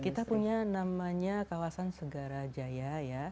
kita punya namanya kawasan segarajaya ya